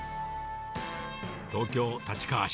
東京・立川市。